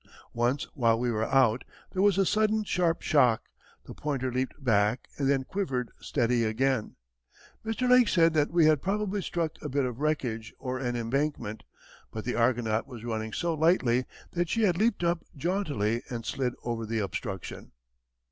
Once while we were out, there was a sudden, sharp shock, the pointer leaped back, and then quivered steady again. Mr. Lake said that we had probably struck a bit of wreckage or an embankment, but the Argonaut was running so lightly that she had leaped up jauntily and slid over the obstruction.